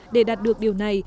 để đạt được điều này